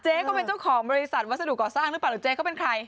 เจ๊ก็เป็นเจ้าของบริษัทวัสดุก่อสร้างหรือเป็นใคร